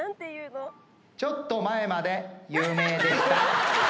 ちょっと前まで有名でした。